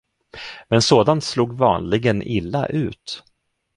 Men sådant slog vanligen illa ut.